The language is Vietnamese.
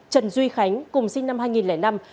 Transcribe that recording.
trần duy khánh cùng sinh năm hai nghìn năm